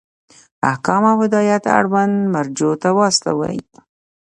احکام او هدایات اړونده مرجعو ته واستوئ.